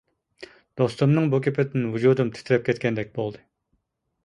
دوستۇمنىڭ بۇ گېپىدىن ۋۇجۇدۇم تىترەپ كەتكەندەك بولدى.